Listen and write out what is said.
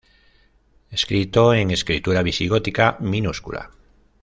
Escrito en escritura visigótica minúscula.